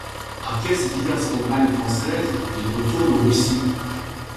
Après ces diverses campagnes françaises, il retourne en Russie.